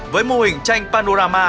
với mô hình tranh panorama